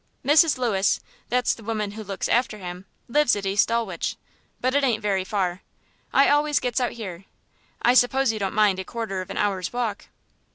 "Mrs. Lewis (that's the woman who looks after him) lives at East Dulwich, but it ain't very far. I always gets out here. I suppose you don't mind a quarter of an hour's walk."